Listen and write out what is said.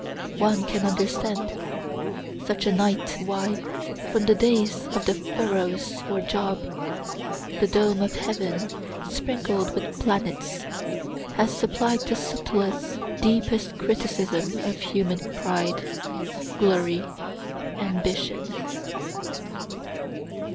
One can understand, such a night, why, from the days of the Pharaohs or Job, the dome of heaven, sprinkled with planets, has supplied the subtlest, deepest criticism on human pride, glory, ambition.